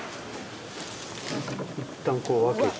いったん分けて。